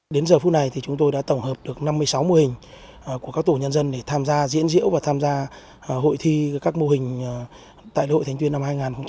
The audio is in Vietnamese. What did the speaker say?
đến giờ phút này thì chúng tôi đã tổng hợp được năm mươi sáu mô hình của các tổ nhân dân để tham gia diễn diễu và tham gia hội thi các mô hình tại lễ hội thành tuyên năm hai nghìn hai mươi ba